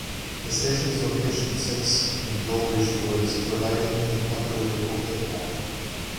The station's location sits in Dulwich Woods, providing a popular local footpath.